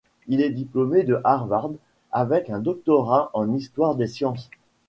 Il est diplômé de Harvard avec un doctorat en histoire des sciences.